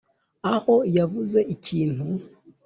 aho yavuze ikintu